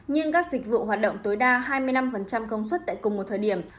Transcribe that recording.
nhưng các dịch vụ hoạt động tối đa hai mươi năm công suất tại cùng một thời điểm